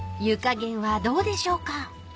［湯加減はどうでしょうか］